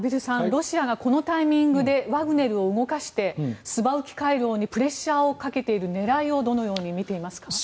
ロシアがこのタイミングでワグネルを動かしてスバウキ回廊にプレッシャーをかけている狙いをどのように見ていますか。